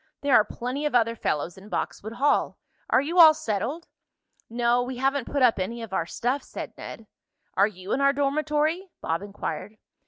There are plenty of other fellows in Boxwood Hall. Are you all settled?" "No, we haven't put up any of our stuff," said Ned. "Are you in our dormitory?" Bob inquired.